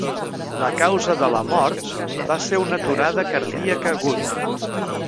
La causa de la mort va ser una aturada cardíaca aguda.